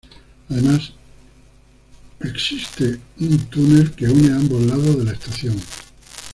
Además un existe un túnel que une ambos lados de la estación.